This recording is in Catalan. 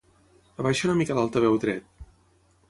Abaixa una mica l'altaveu dret.